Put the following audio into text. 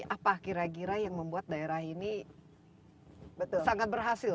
apa kira kira yang membuat daerah ini sangat berhasil